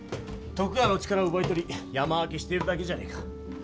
徳川の力を奪い取り山分けしてるだけじゃねえか。